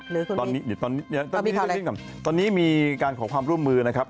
หรือคุณพี่ตอนนี้ตอนนี้มีการของความร่วมมือนะครับ